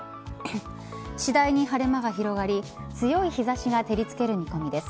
次第に晴れ間が広がり強い日差しが照り付ける見込みです。